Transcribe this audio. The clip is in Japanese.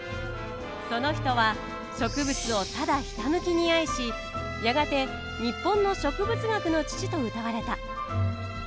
その人は植物をただひたむきに愛しやがて日本の植物学の父とうたわれた。